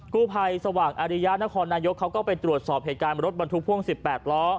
กู้ภัยสว่างอาริยะนครนายกเขาก็ไปตรวจสอบเหตุการณ์รถบรรทุกพ่วง๑๘ล้อ